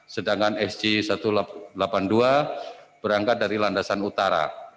sedangkan sj satu ratus delapan puluh dua berangkat dari landasan utara